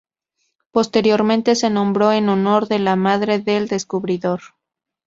Posteriormente, se nombró en honor de la madre del descubridor.